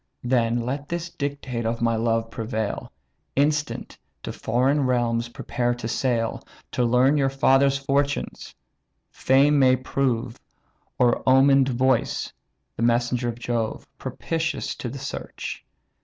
Then let this dictate of my love prevail: Instant, to foreign realms prepare to sail, To learn your father's fortunes; Fame may prove, Or omen'd voice (the messenger of Jove), Propitious to the search.